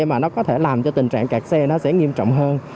mà nó có thể làm cho tình trạng kẹt xe nó sẽ nghiêm trọng hơn